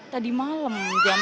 tadi malam jam sebelas